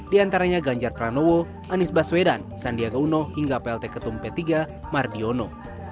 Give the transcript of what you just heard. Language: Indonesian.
di antaranya ganjar pranowo anies baswedan sandiaga uno hingga plt ketum p tiga mardiono